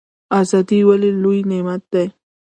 ازادي ولې لوی نعمت دی؟